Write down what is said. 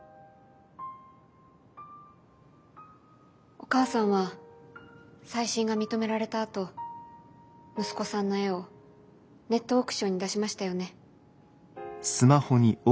お母さんは再審が認められたあと息子さんの絵をネットオークションに出しましたよね。